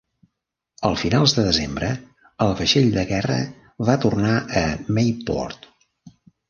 A finals de desembre, el vaixell de guerra va tornar a Mayport.